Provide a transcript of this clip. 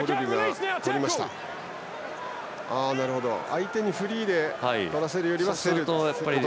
相手にフリーでとらせるよりは。